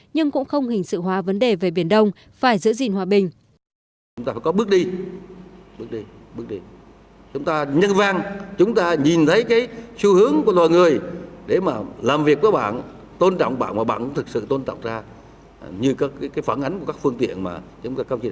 nhưng cũng không hình sự hóa vấn đề về biển đông phải giữ gìn hòa bình